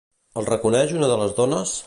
El reconeix una de les dones?